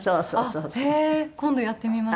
今度やってみます。